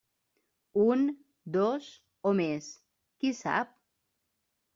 Un, dos o més, qui sap?